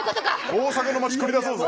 大阪の街繰り出そうぜ。